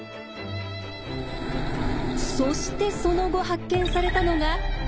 そしてその後発見されたのがこれ。